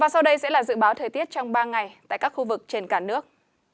sau đây sẽ là dự báo thời tiết trong ba ngày tại các khu vực trên cả nước